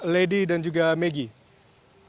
lady dan juga maggie